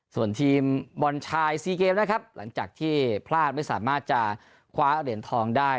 ส่วนทีมบอลชายซีเกมนะครับหลังจากที่พลาดไม่สามารถจะคว้าเหรียญทองได้